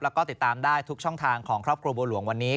แล้วก็ติดตามได้ทุกช่องทางของครอบครัวบัวหลวงวันนี้